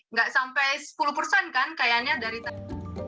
nggak sampai sepuluh persen kan kayaknya dari tahun